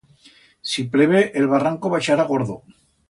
Si pleve, el barranco baixará gordo.